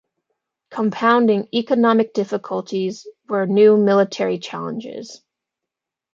Compounding economic difficulties were new military challenges.